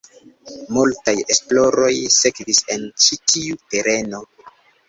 Multaj esploroj sekvis en ĉi tiu tereno.